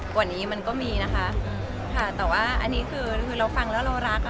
กว่านี้มันก็มีนะคะค่ะแต่ว่าอันนี้คือคือเราฟังแล้วเรารักอ่ะ